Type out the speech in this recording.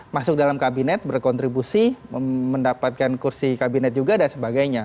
masuk dalam kabinet berkontribusi mendapatkan kursi kabinet juga dan sebagainya